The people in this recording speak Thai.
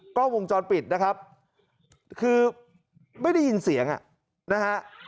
กล้องวงจรปิดนะครับคือไม่ได้ยินเสียงนะฮะ